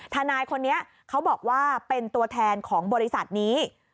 ทนายคนนี้เขาบอกว่าเป็นตัวแทนของบริษัทนี้